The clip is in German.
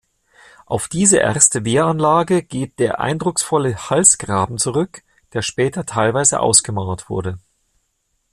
Auf diese erste Wehranlage geht der eindrucksvolle Halsgraben zurück, der später teilweise ausgemauert wurde.